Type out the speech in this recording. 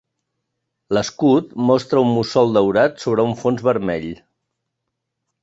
L'escut mostra un mussol daurat sobre un fons vermell.